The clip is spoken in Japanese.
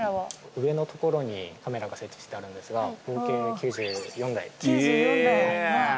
上の所にカメラが設置してあるんですが、９４台？